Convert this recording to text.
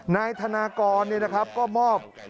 นายธนากรก็มอบ